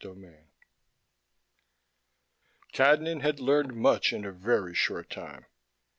21 Cadnan had learned much in a very short time.